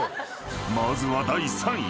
［まずは第３位］